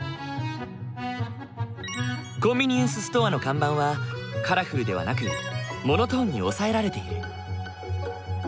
コンビニエンスストアの看板はカラフルではなくモノトーンに抑えられている。